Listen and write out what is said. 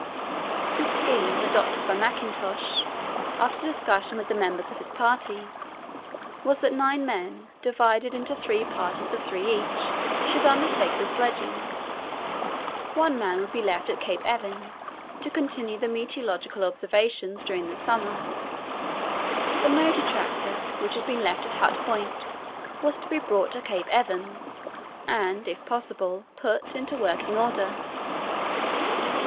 The scheme adopted by Mackintosh, after discussion with the members of his party, was that nine men, divided into three parties of three each, should undertake the sledging. One man would be left at Cape Evans to continue the meteorological observations during the summer. The motor tractor, which had been left at Hut Point, was to be brought to Cape Evans and, if possible, put into working order.